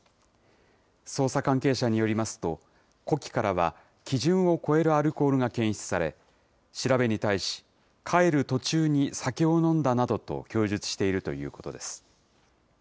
捜査関係者によりますと、呼気からは基準を超えるアルコールが検出され、調べに対し、帰る途中に酒を飲んだなどと供述しているということです。